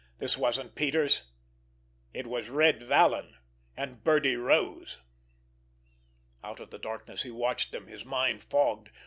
This wasn't Peters—it was Red Vallon, and Birdie Rose. Out of the darkness he watched them, his mind fogged.